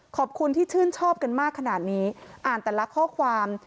ขอบคุณที่ชื่นชอบกันมากขนาดนี้อ่านแต่ละข้อความ